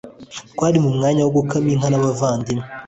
twari mumwanya wo gukama inka nabavandimwe